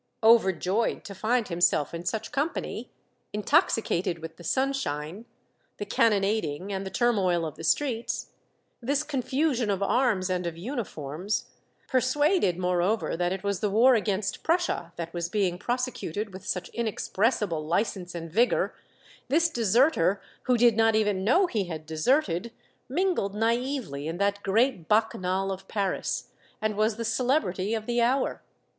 Overjoyed to find himself in such fine company, intoxicated with the sunshine, the can nonading, and the turmoil of the streets, this con fusion of arms and of uniforms, persuaded more over that it was the war against Prussia that was being prosecuted with such inexpressible license and vigor, this deserter, who did not even know he had deserted, mingled naively in that great Bacchanal of Paris, and was the celebrity of the hour.